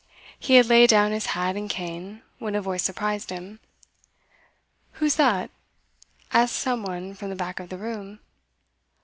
He had laid down his hat and cane, when a voice surprised him. 'Who's that?' asked some one from the back of the room.